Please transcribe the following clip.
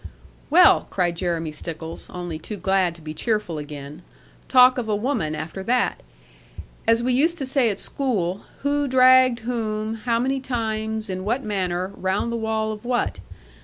'Well!' cried Jeremy Stickles, only too glad to be cheerful again: 'talk of a woman after that! As we used to say at school "Who dragged whom, how many times, in what manner, round the wall of what?"